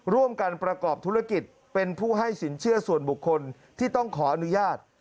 ร่วมกันประกอบธุรกิจเป็นผู้ให้สินเชื่อส่วนบุคคลที่ต้องขออนุญาต